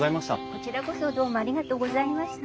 こちらこそどうもありがとうございました。